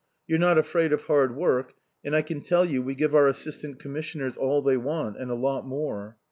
You're not afraid of hard work, and I can tell you we give our Assistant Commissioners all they want and a lot more.